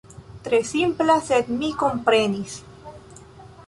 Tre simpla, sed mi komprenis.